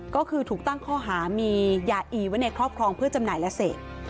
ก็คือถูกตั้งข้อหามียาอีไว้ในครอบครองเพื่อจำหน่ายและเสพ